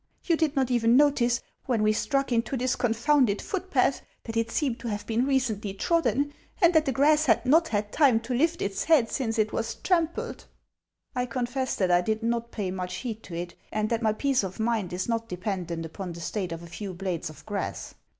You did not even notice, when we struck into this con founded footpath, that it seemed to have been recently trodden, and that the grass had not had time to lift its head since it was trampled." " I confess that I did not pay much heed to it, and that my peace of mind is not dependent upon the state of a few blades of grass.